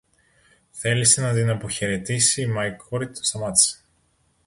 Θέλησε να την αποχαιρετήσει, μα η κόρη τον σταμάτησε.